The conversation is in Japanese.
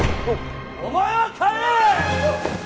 お前は帰れ！